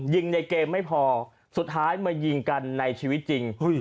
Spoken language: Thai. ในเกมไม่พอสุดท้ายมายิงกันในชีวิตจริง